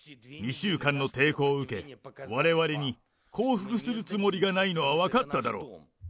２週間の抵抗を受け、われわれに降伏するつもりがないのは分かっただろう。